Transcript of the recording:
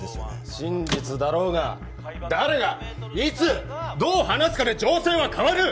真実だろうが誰がいつどう話すかで情勢は変わる！